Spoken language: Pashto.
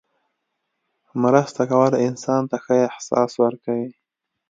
مرسته کول انسان ته ښه احساس ورکوي.